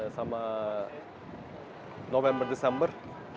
sama november desember